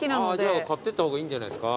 買ってった方がいいんじゃないですか？